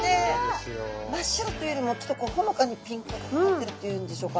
真っ白というよりもちょっとこうほのかにピンクがかってるっていうんでしょうか。